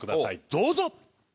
どうぞ！